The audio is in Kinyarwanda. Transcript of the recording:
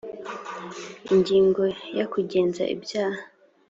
ingingo ya kugenza ibyaha